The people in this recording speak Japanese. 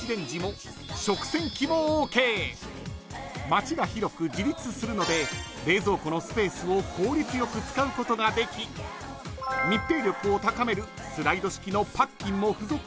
［マチが広く自立するので冷蔵庫のスペースを効率良く使うことができ密閉力を高めるスライド式の］